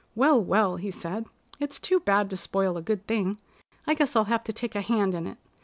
"Well, well," he said. "It's too bad to spoil a good thing. I guess I'll have to take a hand in it.